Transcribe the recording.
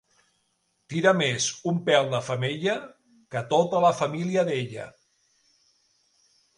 Tira més un pèl de femella que tota la família d'ella.